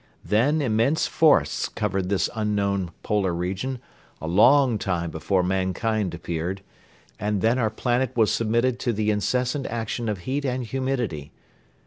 Then immense forests covered this unknown polar region a long time before mankind appeared, and when our planet was submitted to the incessant action of heat and humidity.